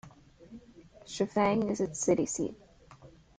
Shifang is its city seat.